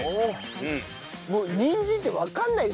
もうにんじんってわかんないですもん。